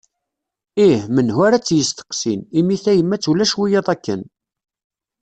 Ih, menhu ara tt-yesteqsin, imi tayemmat ulac wiyyaḍ akken.